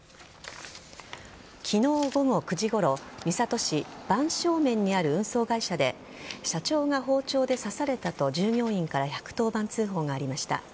昨日午後９時ごろ三郷市番匠免にある運送会社で社長が包丁で刺されたと従業員から１１０番通報がありました。